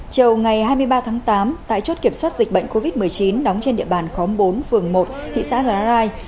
chiều ngày hai mươi ba tháng tám tại chốt kiểm soát dịch bệnh covid một mươi chín đóng trên địa bàn khóm bốn phường một thị xã giá rai